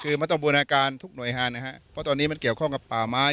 คือมันต้องบูรณาการทุกหน่วยงานนะฮะเพราะตอนนี้มันเกี่ยวข้องกับป่าไม้